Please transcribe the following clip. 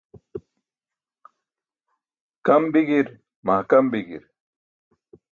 Kam bi̇gi̇i̇r, mahkam bi̇gi̇i̇r.